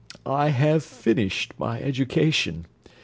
I have finished my education.